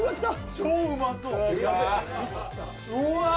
超うまそううわ